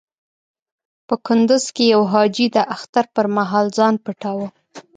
په کندز کې يو حاجي د اختر پر مهال ځان پټاوه.